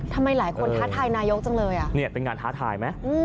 ทำไมหลายคนท้าทายนายกจังเลย